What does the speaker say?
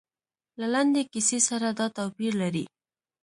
له لنډې کیسې سره دا توپیر لري.